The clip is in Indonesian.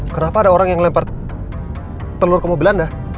kenapa ada orang yang lempar telur ke mobil anda